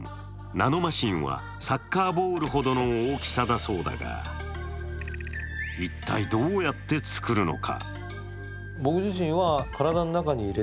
ナノマシンはサッカーボールほどの大きさだそうだが一体どうやって作るのか。